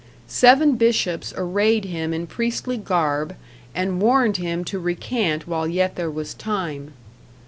Seven bishops arrayed him in priestly garb and warned him to recant while yet there was time.